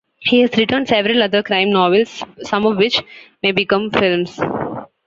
He has written several other crime novels some of which may become films.